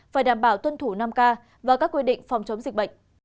phải đảm bảo tuân thủ năm k và các quy định phòng chống dịch bệnh